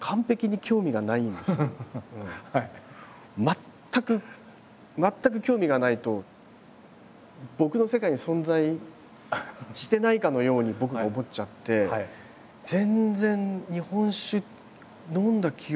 全く全く興味がないと僕の世界に存在してないかのように僕が思っちゃって全然日本酒飲んだ記憶とかもほとんどない。